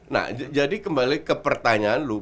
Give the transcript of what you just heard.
nah jadi kembali ke pertanyaan lu